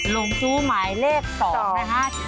ลงจู้หมายเลข๒นะฮะ